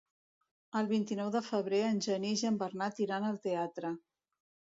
El vint-i-nou de febrer en Genís i en Bernat iran al teatre.